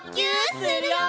するよ！